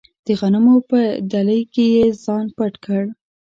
د غنمو په دلۍ کې یې ځان پټ کړ.